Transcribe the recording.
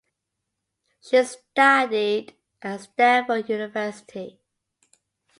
She studied at Stanford University.